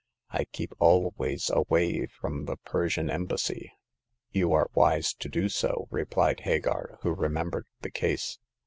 I keep always away from the Persian Embassy." You are wise to do so," replied Hagar, who remembered the case.